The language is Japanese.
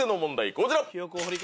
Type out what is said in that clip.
こちら。